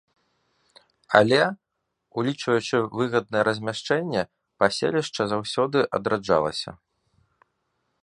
Але, улічваючы выгаднае размяшчэнне, паселішча заўсёды адраджалася.